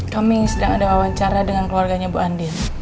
kami sedang ada wawancara dengan keluarganya bu andin